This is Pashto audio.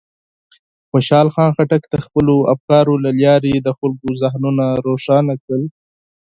خوشحال خان خټک د خپلو افکارو له لارې د خلکو ذهنونه روښانه کړل.